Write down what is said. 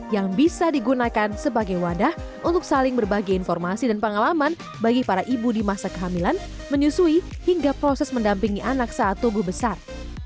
yang bisa digunakan sebagai wadah untuk saling berbagi informasi dan pengalaman bagi para ibu di masa kehamilan menyusui hingga proses mendampingi anak saat tubuh besar